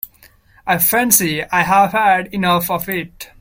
I fancy I have had enough of it.